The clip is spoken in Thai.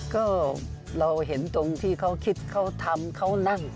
ก็เราเห็นตรงที่เขาคิดเขาทำเขานั่ง